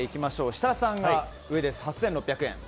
設楽さんが上で、８６００円。